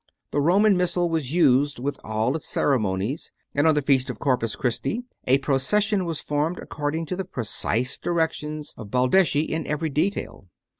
The Roman Missal was used with all its ceremonies; and on the Feast of Corpus Christi a procession was formed according to the precise directions of Baldeschi in every detail.